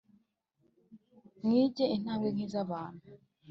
Mwige intambwe nk'iz'abantu